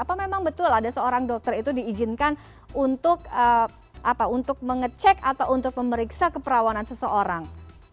apa memang betul ada seorang dokter itu diizinkan untuk mengecek atau untuk memeriksa keperawanan seseorang